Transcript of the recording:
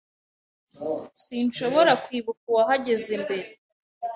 S Sinshobora kwibuka uwahageze mbere.